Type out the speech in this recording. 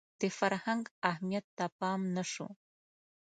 د فرهنګ اهمیت ته پام نه شو